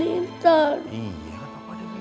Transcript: iya kan bapak udah bilang